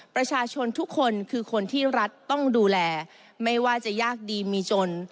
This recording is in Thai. ประชาชนทุกคนคือคนที่รัฐต้องดูแลไม่ว่าจะยากดีมีจน